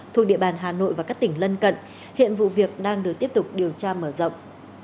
thuộc địa bàn hà nội và các tỉnh lân cận hiện vụ việc đang được tiếp tục điều tra mở rộng